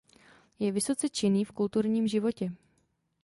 Je vysoce činný v kulturním životě.